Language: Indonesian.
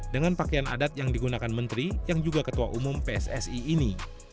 dengan pakaian adat yang digunakan menteri yang juga ketua umum pssi ini